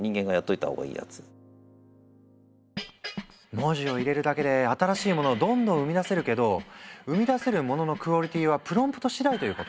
文字を入れるだけで新しいものをどんどん生み出せるけど生み出せるもののクオリティーはプロンプト次第ということ。